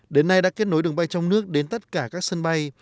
đến nay đã kết nối đường bay trong nước đến tất cả các sân bay